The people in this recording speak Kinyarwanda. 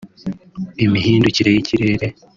imihindukire y’ikirere